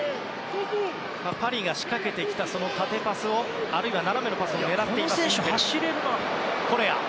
パリが仕掛けてきた縦パスをあるいは、斜めのパスを狙っています。